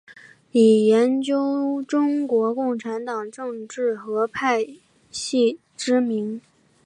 以研究中国共产党政治和派系知名。